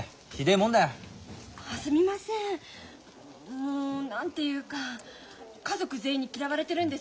もう何て言うか家族全員に嫌われてるんです。